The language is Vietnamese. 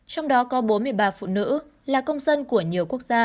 trong đó có bốn mươi ba phụ nữ là công dân của nhiều quốc gia